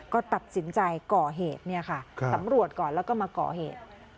ก็ตัดสินใจก่อเหตุเนี่ยค่ะสำรวจก่อนแล้วก็มาก่อเหตุ